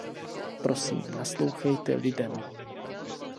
Prosím, naslouchejte lidem.